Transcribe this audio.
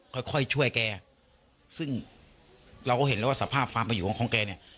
ค่อยค่อยช่วยแกซึ่งเราก็เห็นแล้วว่าสภาพความประอยู่ของแกเนี่ย